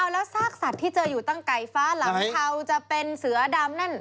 แล้วซากสัตว์ที่เจออยู่ตั้งไก่ฟ้าหลังเทาจะเป็นเสือดำนั่น